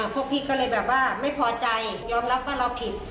พวกพี่ก็เลยแบบว่าไม่พอใจยอมรับว่าเราผิด